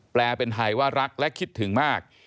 แปลเป็นไทยว่ารักและคิดถึงมาก